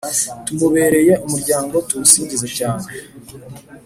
tumubereye umuryango : tumusingize cyane !